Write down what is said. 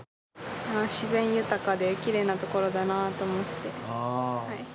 自然豊かで、きれいなところだなと思って。